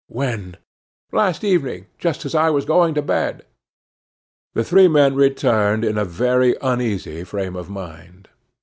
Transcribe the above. "When?" "Last evening, just as I was going to bed." The three men returned in a very uneasy frame of mind.